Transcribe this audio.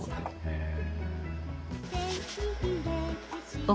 へえ。